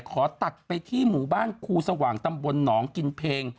ขอตัดไปที่หมู่บ้านครูสว่างตำบลหนองกินเพลง